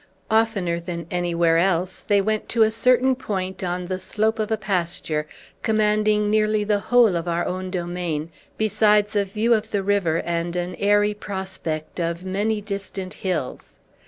Oftener than anywhere else, they went to a certain point on the slope of a pasture, commanding nearly the whole of our own domain, besides a view of the river, and an airy prospect of many distant hills.